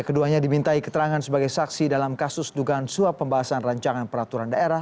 keduanya dimintai keterangan sebagai saksi dalam kasus dugaan suap pembahasan rancangan peraturan daerah